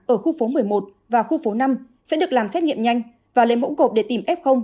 ở khu phố một mươi một và khu phố năm sẽ được làm xét nghiệm nhanh và lấy mẫu cộp để tìm f